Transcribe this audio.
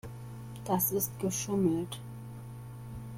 Das ist geschummelt.